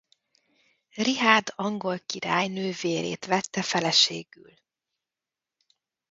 Richárd angol királyok nővérét vette feleségül.